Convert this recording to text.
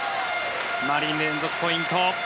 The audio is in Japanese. マリン、連続ポイント。